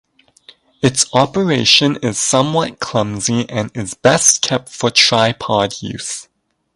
Its operation is somewhat clumsy and is best kept for tripod use.